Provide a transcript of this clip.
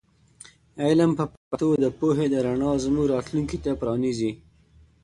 علم په پښتو د پوهې د رڼا زموږ راتلونکي ته پرانیزي.